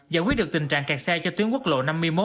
giải quyết được tình trạng kẹt xe cho tuyến quốc lộ năm mươi một